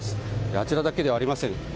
あちらだけではありません。